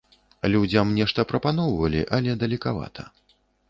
Людзям нешта прапаноўвалі, але далекавата.